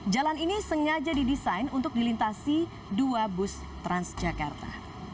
jalan ini sengaja didesain untuk dilintasi dua bus transjakarta